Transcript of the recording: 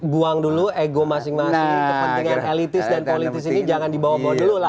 buang dulu ego masing masing kepentingan elitis dan politis ini jangan dibawa bawa dulu lah